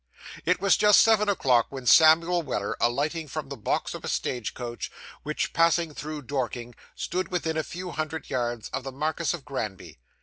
It was just seven o'clock when Samuel Weller, alighting from the box of a stage coach which passed through Dorking, stood within a few hundred yards of the Marquis of Granby.